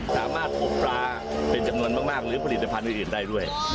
สามารถปลูกปลาเป็นจำนวนมากหรือผลิตภัณฑ์อื่นได้ด้วย